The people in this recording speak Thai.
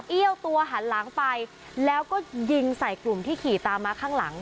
เอี้ยวตัวหันหลังไปแล้วก็ยิงใส่กลุ่มที่ขี่ตามมาข้างหลัง